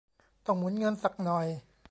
ต้องหมุนเงินสักหน่อย